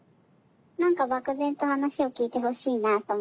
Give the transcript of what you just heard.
何か漠然と話を聞いてほしいなと思って。